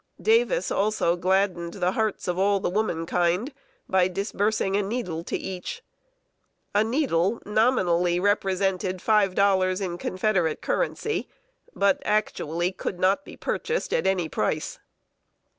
Davis also gladdened the hearts of all the womankind by disbursing a needle to each. A needle nominally represented five dollars in Confederate currency, but actually could not be purchased at any price.